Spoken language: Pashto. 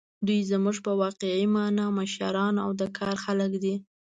دوی زموږ په واقعي مانا مشران او د کار خلک دي.